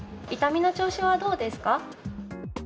痛みの調子はどうですか？